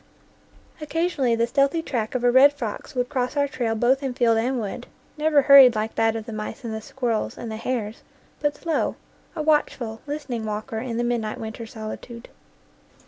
Occasionally the stealthy track of a red fox would cross our trail both in field and wood never hurried like that of the mice and the squirrels and the hares, but slow a watchful, listening walker in the midnight winter solitude.